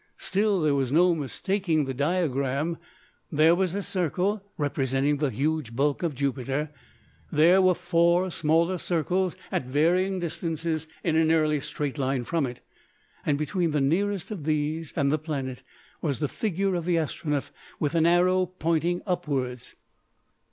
Still, there was no mistaking the diagram. There was a circle representing the huge bulk of Jupiter; there were four smaller circles at varying distances in a nearly straight line from it, and between the nearest of these and the planet was the figure of the Astronef, with an arrow pointing upwards.